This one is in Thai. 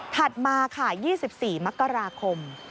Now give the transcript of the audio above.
ถัดมา๒๔ม